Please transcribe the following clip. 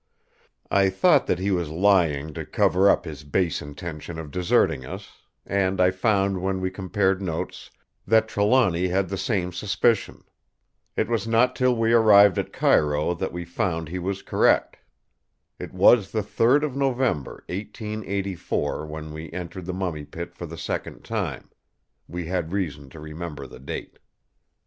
I thought that he was lying to cover up his base intention of deserting us; and I found when we compared notes that Trelawny had the same suspicion. It was not till we arrived at Cairo that we found he was correct. It was the 3rd of November 1884 when we entered the Mummy Pit for the second time; we had reason to remember the date.